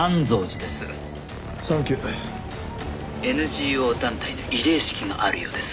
「ＮＧＯ団体の慰霊式があるようです」